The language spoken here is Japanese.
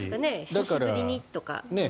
久しぶりにとか。